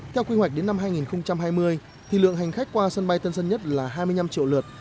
theo quy hoạch đến năm hai nghìn hai mươi thì lượng hành khách qua sân bay tân sơn nhất là hai mươi năm triệu lượt